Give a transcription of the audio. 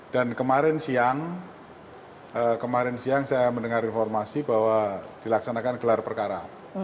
dan kemarin siang saya mendengar informasi bahwa dilaksanakan gelar perkara